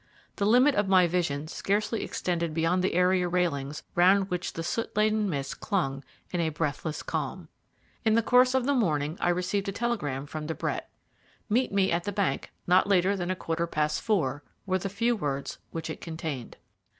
The limit of my vision scarcely extended beyond the area railings round which the soot laden mist clung in a breathless calm. In the course of the morning I received a telegram from De Brett. "Meet me at the bank not later than a quarter past four," were the few words which it contained.